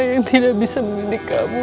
yang tidak bisa mendidik kamu